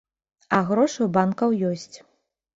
А грошы ў банкаў ёсць.